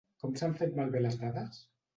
Com s"han fet malbé les dades?